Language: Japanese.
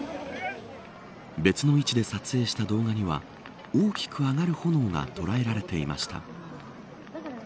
別の位置で撮影した動画には大きく上がる炎が捉えられていました。